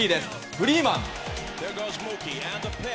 フリーマン。